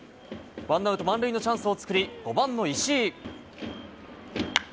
ワンアウト満塁のチャンスを作り、５番の石井。